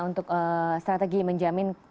untuk strategi menjamin